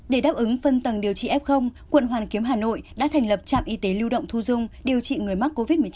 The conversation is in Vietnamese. để đáp ứng phân tầng điều trị f quận hoàn kiếm hà nội đã thành lập trạm y tế lưu động thu dung điều trị người mắc covid một mươi chín